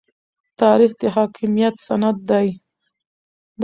تاریخ د حاکمیت سند دی.